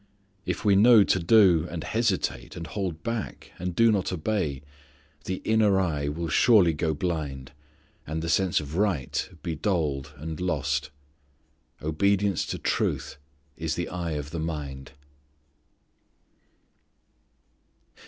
If we know to do, and hesitate and hold back, and do not obey, the inner eye will surely go blind, and the sense of right be dulled and lost. Obedience to truth is the eye of the mind.